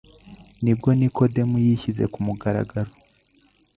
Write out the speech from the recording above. nibwo Nikodemo yishyize ku mugaragaro